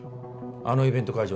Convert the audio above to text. あのイベント会場